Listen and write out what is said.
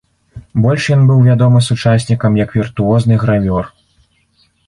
Больш ён быў вядомы сучаснікам як віртуозны гравёр.